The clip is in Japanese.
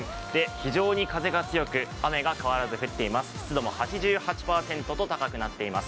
非常に風が強く雨が変わらず降っています。